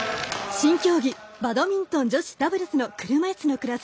新競技バドミントン女子ダブルスの車いすのクラス。